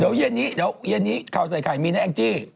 เดี๋ยวเย็นนี้เดี๋ยวเย็นนี้ข่าวใส่ไข่มีนะแองจี้